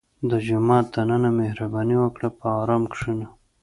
• د جومات دننه مهرباني وکړه، په ارام کښېنه.